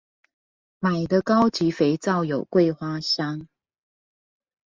買的高級肥皂有桂花香